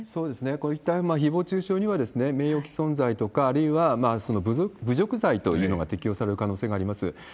こういったひぼう中傷には名誉毀損罪とか、あるいは侮辱罪というのが適用される可能性があります。